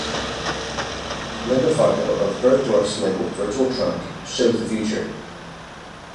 Linda Fargo of Bergdorf's labeled virtual trunk shows the future.